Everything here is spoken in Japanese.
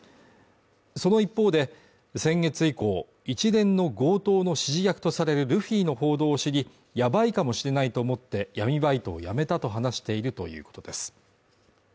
その一方で、先月以降、一連の強盗の指示役とされるルフィの報道を知り、やばいかもしれないと思って、闇バイトを辞めたと話しているということです。